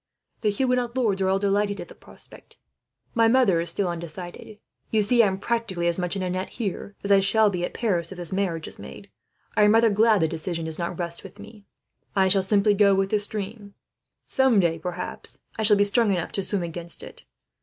"The Huguenot lords are all delighted at the prospect. My mother is still undecided. You see, I am practically as much in a net, here, as I shall be at Paris, if this marriage is made. I am rather glad the decision does not rest with me. I shall simply go with the stream; some day, perhaps, I shall be strong enough to swim against it.